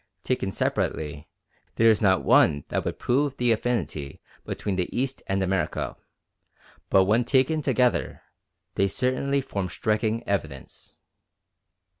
Taken separately, there is not one that would prove the affinity between the East and America; but when taken together, they certainly form striking evidence.